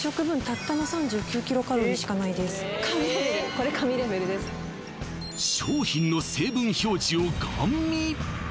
これ神レベルです商品の成分表示をガン見！